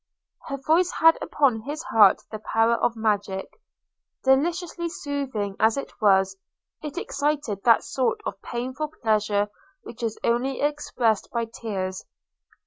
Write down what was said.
Her voice had upon his heart the power of magic – deliciously soothing as it was, it excited that sort of painful pleasure which is only expressed by tears.